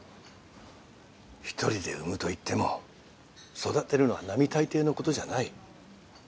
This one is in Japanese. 一人で産むといっても育てるのは並大抵のことじゃない。